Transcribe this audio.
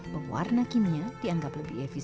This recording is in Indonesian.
pewarna kimia dianggap lebih efisien